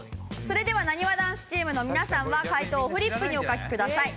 それではなにわ男子チームの皆さんは解答をフリップにお書きください。